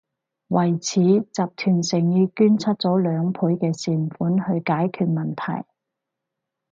為此，集團誠意捐出咗兩倍嘅善款去解決問題